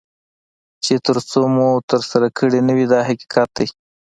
چې تر څو مو ترسره کړي نه وي دا حقیقت دی.